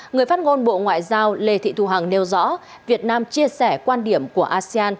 người phát ngôn bộ ngoại giao lê thị thu hằng nêu rõ việt nam chia sẻ quan điểm của asean